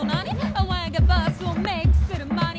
お前がバースをメイクする間に